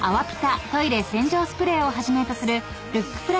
ピタトイレ洗浄スプレーをはじめとするルック